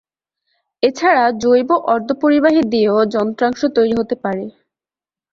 এছাড়া জৈব অর্ধপরিবাহী দিয়েও যন্ত্রাংশ তৈরি হতে পারে।